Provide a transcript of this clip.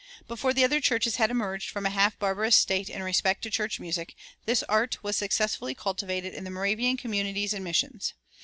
Before the other churches had emerged from a half barbarous state in respect to church music, this art was successfully cultivated in the Moravian communities and missions.